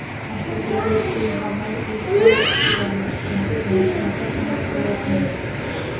হাসপাতালে ভর্তি হবার ইচ্ছাও ছিল না, কিন্তু ঘরে দেখাশোনার লোক নেই।